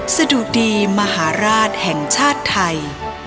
สะดุดีมหาราชแห่งชาติไทย